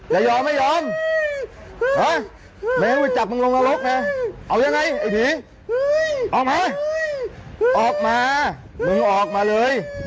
จะยอมไม่ยอมไปจับมึงลงนรกนะเอายังไงไอ้ผีออกมาออกมามึงออกมาเลย